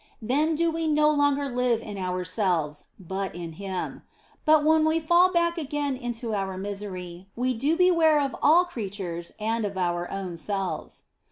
Then do we no longer live in ourselves, but in Him ; but when we fall back again into our misery we do beware of all creatures and of our own selves.